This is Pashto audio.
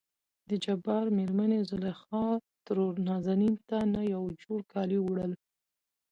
دجبار مېرمنې زليخا ترور نازنين ته نه يو جوړ کالي وړل.